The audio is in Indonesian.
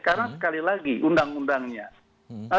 karena sekali lagi undang undangnya